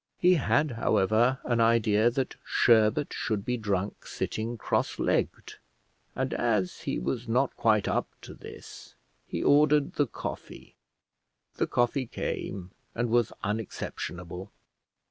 He had, however, an idea that sherbet should be drunk sitting cross legged, and as he was not quite up to this, he ordered the coffee. The coffee came, and was unexceptionable.